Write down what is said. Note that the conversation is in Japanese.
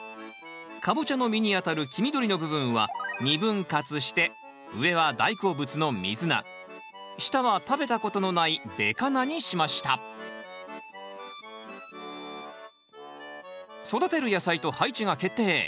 カボチャの実にあたる黄緑の部分は２分割して上は大好物のミズナ下は食べたことのないべカナにしました育てる野菜と配置が決定。